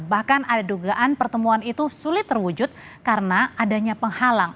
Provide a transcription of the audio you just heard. bahkan ada dugaan pertemuan itu sulit terwujud karena adanya penghalang